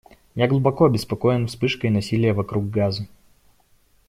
Я глубоко обеспокоен вспышкой насилия вокруг Газы.